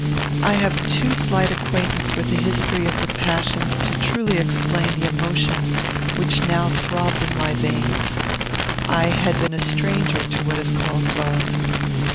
I have too slight acquaintance with the history of the passions to truly explain the emotion which now throbbed in my veins. I had been a stranger to what is called love.